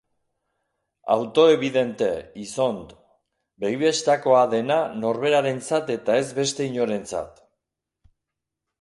Auto-ebidente, izond. Begibistakoa dena norberarentzat eta ez beste inorentzat.